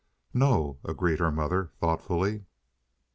"No," agreed her mother thoughtfully.